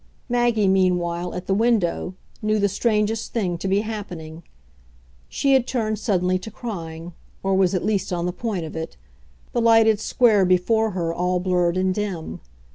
Maggie meanwhile, at the window, knew the strangest thing to be happening: she had turned suddenly to crying, or was at least on the point of it the lighted square before her all blurred and dim.